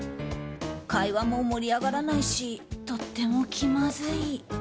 会話も盛り上がらないしとても気まずい。